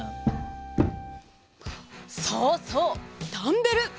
そうそうダンベル！